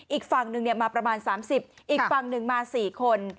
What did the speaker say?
อีกฝั่งหนึ่งมาประมาณ๓๐อีกฝั่งหนึ่งมา๔คน